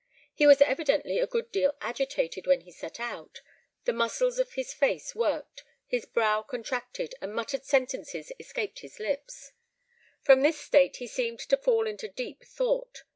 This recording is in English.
He was evidently a good deal agitated when he set out; the muscles of his face worked, his brow contracted, and muttered sentences escaped his lips. From this state he seemed to fall into deep thought.